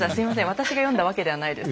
私が読んだわけではないです。